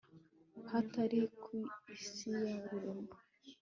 hatari ku isi ya rurema